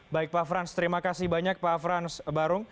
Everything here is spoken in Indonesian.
baik pak frans terima kasih banyak pak frans barung